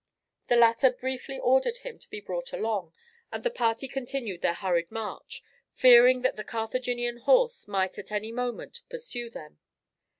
The latter briefly ordered him to be brought along, and the party continued their hurried march, fearing that the Carthaginian horse might at any moment pursue them.